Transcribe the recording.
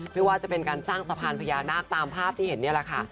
ไม่ว่าจะเป็นการสร้างสะพานพญานาคตามภาพที่เห็นนี่แหละค่ะ